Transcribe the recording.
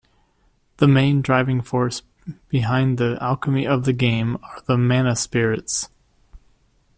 The main driving force behind the alchemy of the game are the Mana Spirits.